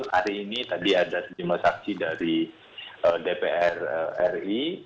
hari ini tadi ada sejumlah saksi dari dpr ri